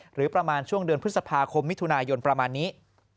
หรือประมาณช่วงเดือนพฤษภาคมมิถุนายนประมาณนี้